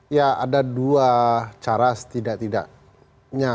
ya ada dua cara setidak tidaknya